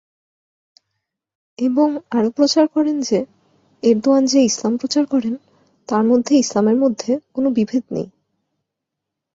এবং আরো প্রচার করেন যে, এরদোয়ান যে ইসলাম প্রচার করেন, তার মধ্যে ইসলামের মধ্যে কোনও বিভেদ নেই।